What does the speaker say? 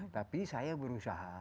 tapi saya berusaha